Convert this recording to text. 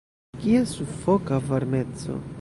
Kia sufoka varmeco!